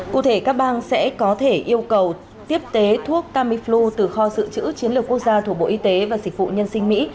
cụ thể các bang sẽ có thể yêu cầu tiếp tế thuốc tamiflu từ kho dự trữ chiến lược quốc gia thuộc bộ y tế và dịch vụ nhân sinh mỹ